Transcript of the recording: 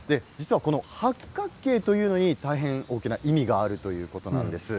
八角形というのに大変大きな意味があるということなんです。